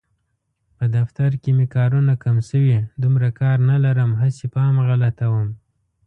په دفتر کې مې کارونه کم شوي، دومره کار نه لرم هسې پام غلطوم.